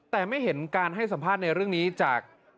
แต่ไม่เห็นการให้สัมภาษณ์ในเรื่องนี้จาก